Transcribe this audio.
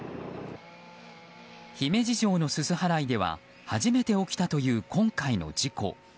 姫路城のすす払いでは初めて起きたという今回の事故。